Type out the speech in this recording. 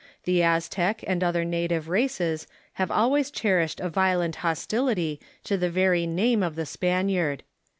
The Aztec and other native races have always cherished a vio lent hostility to the very name of the Spaniard.